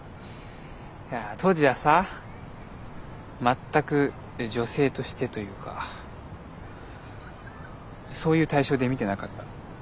当時はさ全く女性としてというかそういう対象で見てなかった。